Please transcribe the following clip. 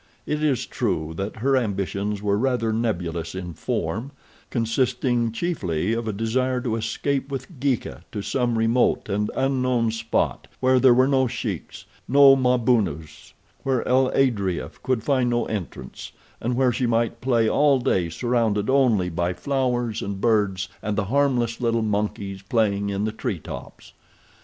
It is true that her ambitions were rather nebulous in form, consisting chiefly of a desire to escape with Geeka to some remote and unknown spot where there were no Sheiks, no Mabunus—where El Adrea could find no entrance, and where she might play all day surrounded only by flowers and birds and the harmless little monkeys playing in the tree tops.